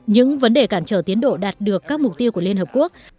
những vấn đề cản trở tiến độ đạt được các mục tiêu của liên hợp quốc